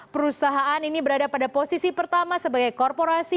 perusahaan ini berada pada posisi pertama sebagai korporasi